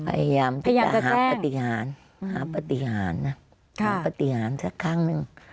พยายามจะหาปฏิหารหาปฏิหารนะหาปฏิหารสักครั้งหนึ่ง